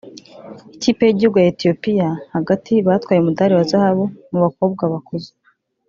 Ikipe y'igihugu ya Ethiopia (hagati) batwaye umudali wa Zahabu mu bakobwa bakuze